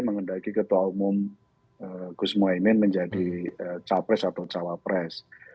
mengendaki ketua umum khusn mwahimin menjadi cawapres